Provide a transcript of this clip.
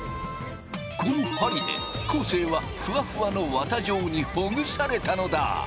この針で昴生はフワフワの綿状にほぐされたのだ。